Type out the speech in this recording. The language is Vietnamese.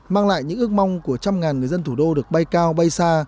mang lại những ước mong của trăm ngàn người dân thủ đô được bay cao bay xa